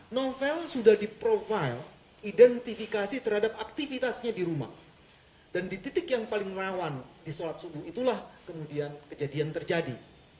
novel sudah di profile identifikasi terhadap aktivitasnya di rumah dan di titik yang paling rawan di sholat subuh itulah kemudian kejadian terjadi